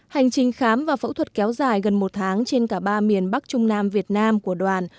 hành trình khám và phẫu thuật kéo dài gần một tháng trên cả ba miền bắc trung nam việt nam của đoàn